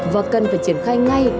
và cần phải triển khai ngay